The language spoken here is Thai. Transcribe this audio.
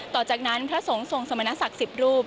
ต่อจากนั้นพระสงฆ์ทรงสมณศักดิ์๑๐รูป